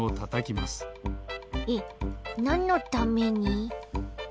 えっなんのために？